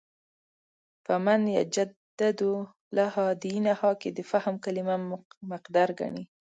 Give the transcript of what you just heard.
په «مَن یُجَدِّدُ لَهَا دِینَهَا» کې د «فهم» کلمه مقدر ګڼي.